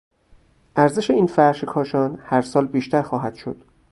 ارزش این فرش کاشان هر سال بیشتر خواهد شد.